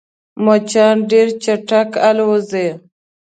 مچان ډېر چټک الوزي